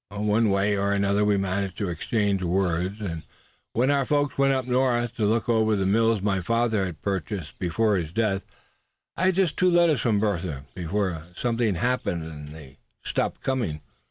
"One way or another we managed to exchange word, and when our folks went up Nawth to look after the mills my father had purchased before his death, I had just two letters from Bertha before something happened, and they stopped coming.